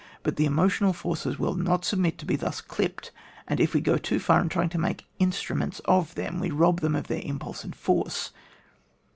But the emotional forces will not submit to be thus clipped, and if we go too far in trying to make instruments of them, we rob them of their impulse and force.